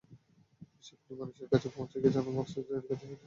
বিশ্বের কোটি মানুষের কাছে পৌঁছে গিয়ে জনমত তৈরি করতে সাহায্য করে তা।